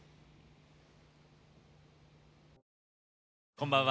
こんばんは。